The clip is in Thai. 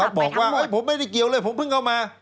บอกว่าผมไม่ได้เกี่ยวเลยผมเพิ่งเข้ามา